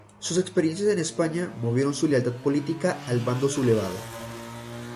Sus experiencias en España movieron su lealtad política al bando sublevado.